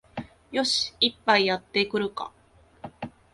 よし、一杯やってくるか